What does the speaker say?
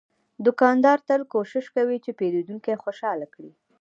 دوکاندار تل کوشش کوي چې پیرودونکی خوشاله کړي.